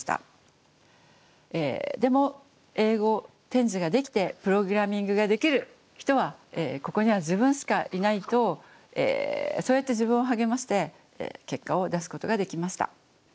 でも英語点字ができてプログラミングができる人はここには自分しかいないとそうやって自分を励まして結果を出すことができました。